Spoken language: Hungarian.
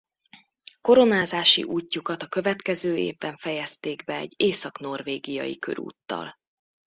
Koronázási útjukat a következő évben fejezték be egy észak-norvégiai körúttal.